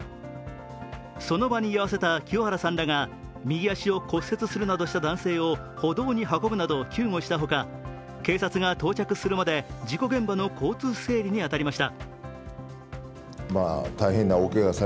その場に居合わせた清原さんらが右足を骨折するなどした男性を歩道に運ぶなど救護した他、警察が到着するまで、事故現場の交通整理に当たりました。